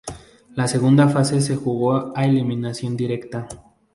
La segunda fase se jugó a eliminación directa.